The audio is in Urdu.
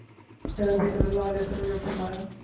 کہ نبی صلی اللہ علیہ وسلم نے فرمایا